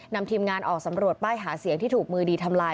นำทีมงานออกสำรวจป้ายหาเสียงที่ถูกมือดีทำลาย